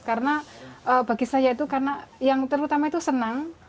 karena bagi saya itu karena yang terutama itu senang